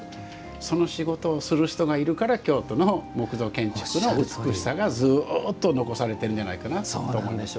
その仕事をする人がいるから京都の木造建築の美しさがずうっと残されているんじゃないかなと思うんです。